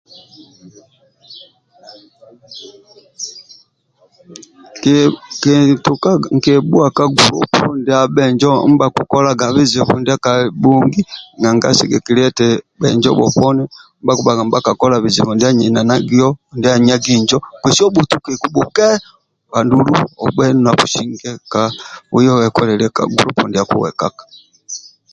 nkyebuwa ka group ndia bhenjo ndiba kikolaga bijibu ndia ka bongi nanga sigikilya eti benjo boponi bakubaga niba kakola bijibu ndia enyananagio ndia enyagi njo kesi obutukeku buke andulu one na businge oye wekolilye ka gulupu ndia ko wekaka